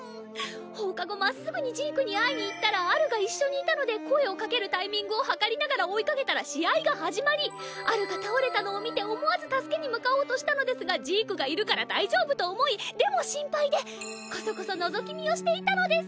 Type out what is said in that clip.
放課後まっすぐにジークに会いに行ったらアルが一緒にいたので声を掛けるタイミングを計りながら追いかけたら試合が始まりアルが倒れたのを見て思わず助けに向かおうとしたのですがジークがいるから大丈夫と思いでも心配でこそこそのぞき見をしていたのです。